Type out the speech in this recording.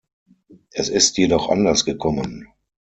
Es ist jedoch anders gekommen.